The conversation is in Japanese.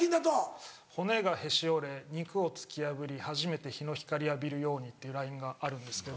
「骨がへし折れ肉を突き破り初めて陽の光浴びるように」っていうラインがあるんですけど。